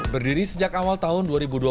berdiri sejak awal tahun dua ribu dua puluh